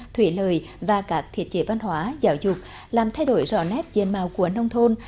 thủy lời và các thiết chế văn hóa giáo dục làm thay đổi rõ nét diện màu của nông thôn